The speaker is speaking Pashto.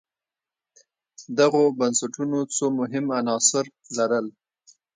دغو بنسټونو څو مهم عناصر لرل